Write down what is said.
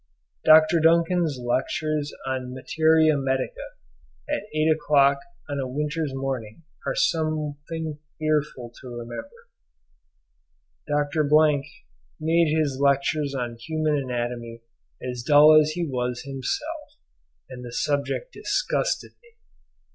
Dr. Duncan's lectures on Materia Medica at 8 o'clock on a winter's morning are something fearful to remember. Dr.—— made his lectures on human anatomy as dull as he was himself, and the subject disgusted me.